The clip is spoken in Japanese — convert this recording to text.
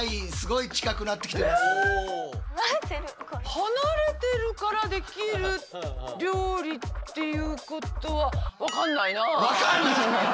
離れてるからできる料理っていうことはわかんない！